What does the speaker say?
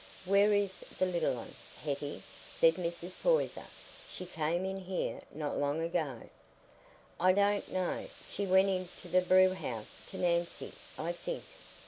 "Where is the little un, Hetty?" said Mrs. Poyser. "She came in here not long ago." "I don't know. She went into the brewhouse to Nancy, I think."